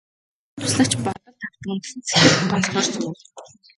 Хошуу туслагч бодолд автан сэтгэл гонсгор сууна.